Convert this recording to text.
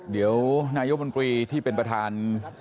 เดี๋ยวนายกมนตรีที่เป็นประธาน